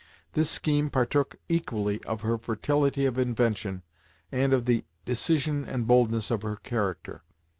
This scheme partook equally of her fertility of invention, and of the decision and boldness of her character.